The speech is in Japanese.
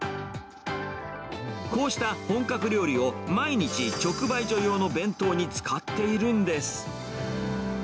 こうした本格料理を毎日、直売所用の弁当に使っているんです。